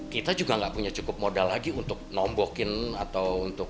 kita juga nggak punya cukup modal lagi untuk nombokin atau untuk